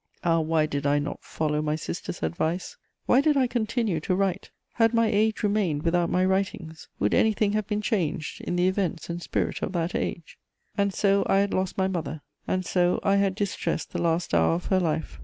Ah, why did I not follow my sister's advice? Why did I continue to write? Had my age remained without my writings, would anything have been changed in the events and spirit of that age? And so I had lost my mother; and so I had distressed the last hour of her life!